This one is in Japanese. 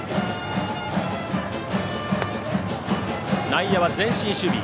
内野は前進守備。